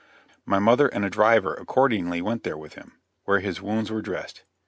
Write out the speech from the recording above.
My mother and a driver accordingly went there with him, where his wounds were dressed.